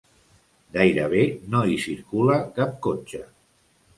Gairebé no hi circula cap cotxe.